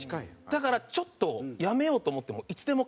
だからちょっとやめようと思ってもいつでも帰れるとかもある。